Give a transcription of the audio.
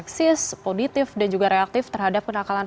seksis positif dan juga reaktif terhadap anak anak